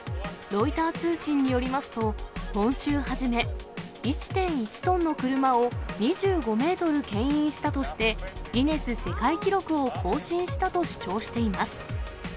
ロイター通信によりますと、今週初め、１．１トンの車を２５メートルけん引したとして、ギネス世界記録を更新したと主張しています。